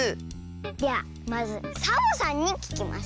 ではまずサボさんにききます。